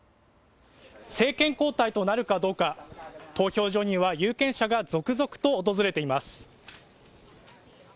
政権交代となるかどうか投票所には有権者が続々と訪れています。